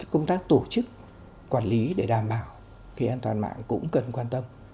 công tác tổ chức quản lý để đảm bảo về an toàn mạng cũng cần quan tâm